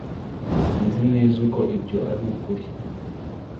Sinzi neza uko ibyo ari ukuri